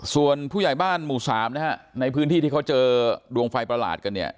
ส่วนผู้ใหญ่บ้านหมู่สามนะฮะในพื้นที่ที่เขาเจอดวงไฟประหลาดกันเนี่ย